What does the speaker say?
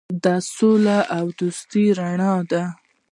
د سولې او دوستۍ رڼا.